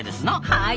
はい。